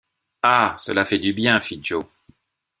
Ah! cela fait du bien ! fit Joe.